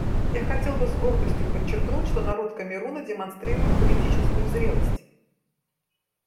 Я хотел бы с гордостью подчеркнуть, что народ Камеруна демонстрирует политическую зрелость.